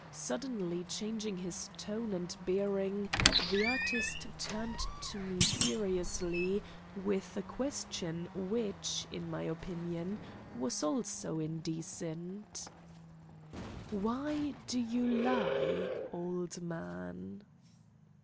Suddenly changing his tone and bearing, the artist turned to me seriously with a question which, in my opinion, was also indecent: "Why do you lie, old man?"